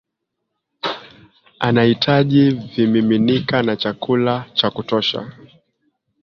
anahitaji vimiminika na chakula cha kutosha